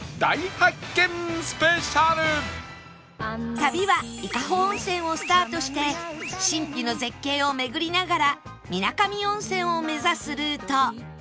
旅は伊香保温泉をスタートして神秘の絶景を巡りながら水上温泉を目指すルート